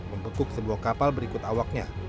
membekuk sebuah kapal berikut awaknya